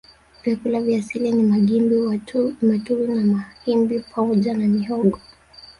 Vyakula vya asili ni magimbi matuwi na mahimbi pamoja na mihogo